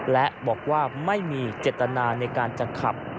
และบอกว่าไม่มีเจตนาในการจะขับ